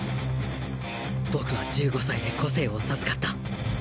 僕は１５歳で個性を授かった